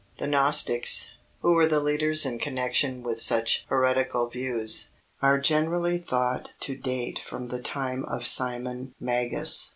The Gnostics, who were the leaders in connection with such heretical views, are generally thought to date from the time of Simon Magus.